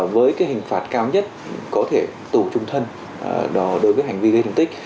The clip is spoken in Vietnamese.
với hình phạt cao nhất có thể tù chung thân đối với hành vi gây thương tích